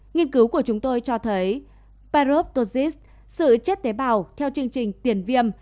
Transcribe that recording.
nghiên cứu của chúng tôi cho thấy paroptosis sự chết tế bào theo chương trình tiền viêm